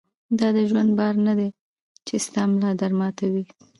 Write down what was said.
دا دژوند بار نۀ دی چې ستا ملا در ماتوي